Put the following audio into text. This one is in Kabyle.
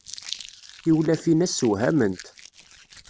Tiwlafin-a ssewhament.